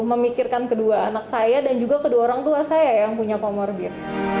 memikirkan kedua anak saya dan juga kedua orang tua saya yang punya comorbid